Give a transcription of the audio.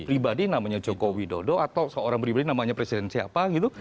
pribadi namanya joko widodo atau seorang pribadi namanya presiden siapa gitu